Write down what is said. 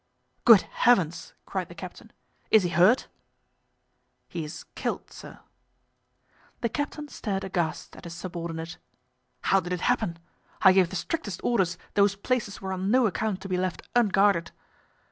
"Good heavens!" cried the captain. "Is he hurt?" "He is killed, sir." The captain stared aghast at his subordinate. "How did it happen? I gave the strictest orders those places were on no account to be left unguarded."